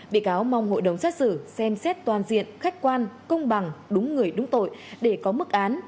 bị cáo mong hội đồng xét xử xem xét toàn diện khách quan công bằng đúng người đúng tội để có mức án